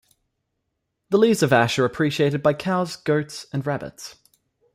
The leaves of ash are appreciated by cows, goats and rabbits.